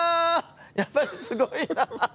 やっぱりすごいなあ。